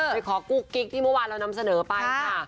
ไปขอกุ๊กกิ๊กที่เมื่อวานเรานำเสนอไปค่ะ